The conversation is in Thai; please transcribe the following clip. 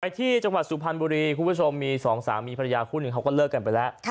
ที่จังหวัดสุพรรณบุรีคุณผู้ชมมีสองสามีภรรยาคู่หนึ่งเขาก็เลิกกันไปแล้ว